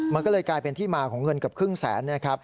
มันก็เลยกลายเป็นที่มาของเงินกับครึ่งแสน